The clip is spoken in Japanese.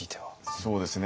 そうですね。